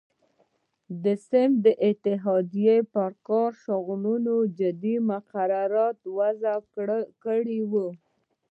صنفي اتحادیو پر کاري شغلونو جدي مقررات وضع کړي وو.